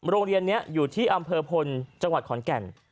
โรงเรียนนี้อยู่ที่อำเภอพลจังหวัดขอนแก่น